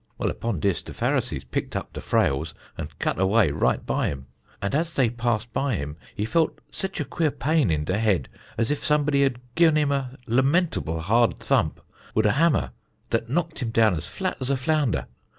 Well upon dis, de Pharisees picked up der frails and cut away right by him, and as dey passed by him he felt sich a queer pain in de head as if somebody had gi'en him a lamentable hard thump wud a hammer, dat knocked him down as flat as a flounder.